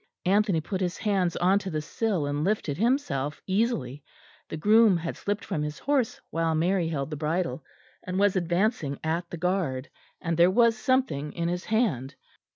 Anthony put his hands on to the sill and lifted himself easily. The groom had slipped from his horse while Mary held the bridle, and was advancing at the guard, and there was something in his hand.